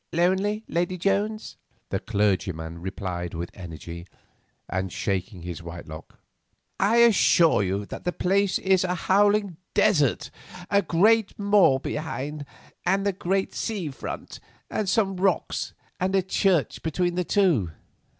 "Lonely, Lady Jones?" the clergyman replied with energy, and shaking his white lock. "I assure you that the place is a howling desert; a great moor behind, and the great sea in front, and some rocks and the church between the two.